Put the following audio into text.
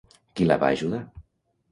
Qui la va ajudar?